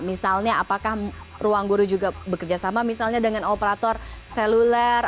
misalnya apakah ruangguru juga bekerjasama misalnya dengan operator seluler